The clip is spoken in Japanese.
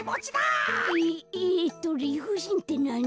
ええっと「りふじん」ってなに？